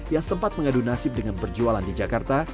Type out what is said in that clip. yang sempat mengadu nasib dengan berjualan di jakarta